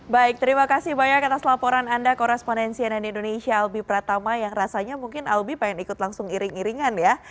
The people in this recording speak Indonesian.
baik terima kasih banyak atas laporan anda korespondensi ann indonesia albi pratama yang rasanya mungkin albi pengen ikut langsung iring iringan ya